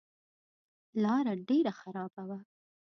لاره ډېره خرابه وه.